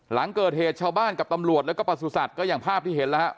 หลังเกิดเหตุชาวบ้านกับตำรวจแล้วก็ประสุทธิ์ก็อย่างภาพที่เห็นแล้วฮะ